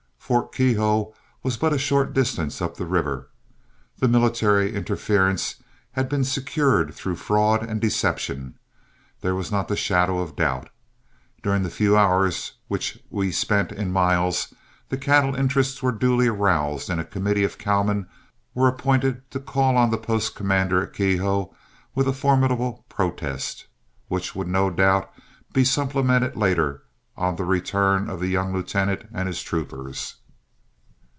Fort Keogh was but a short distance up the river. That military interference had been secured through fraud and deception, there was not the shadow of a doubt. During the few hours which we spent in Miles, the cattle interests were duly aroused, and a committee of cowmen were appointed to call on the post commander at Keogh with a formidable protest, which would no doubt be supplemented later, on the return of the young lieutenant and his troopers.